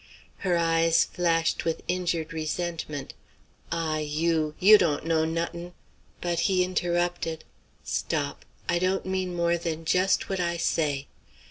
Her eyes flashed with injured resentment. "Ah, you! you dawn't know not'n' " But he interrupted: "Stop, I don't mean more than just what I say.